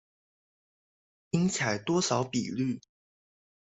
應採多少比率